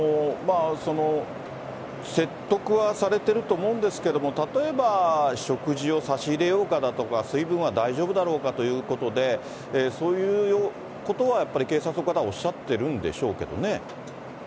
説得はされてると思うんですけれども、例えば食事を差し入れようかだとか、水分は大丈夫だろうかということで、そういうことはやっぱり、警察の方はおっしゃってるんでしょうけどね。